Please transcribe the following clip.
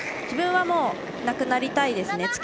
自分はもうなくなりたいですね。